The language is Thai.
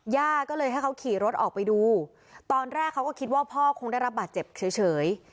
ย่าก็เลยให้เขาขี่รถออกไปดูตอนแรกเขาก็คิดว่าพ่อคงได้รับบาดเจ็บเฉย